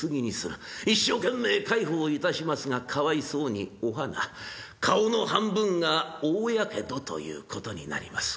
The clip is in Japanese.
一生懸命介抱いたしますがかわいそうにお花顔の半分が大やけどということになります。